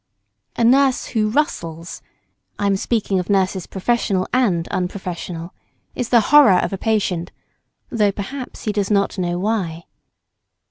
A nurse who rustles (I am speaking of nurses professional and unprofessional) is the horror of a patient, though perhaps he does not know why.